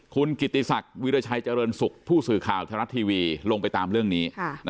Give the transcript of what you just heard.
คุณกิติศักดิ์วิราชัยเจริญสุขผู้สื่อข่าวทรัฐทีวีลงไปตามเรื่องนี้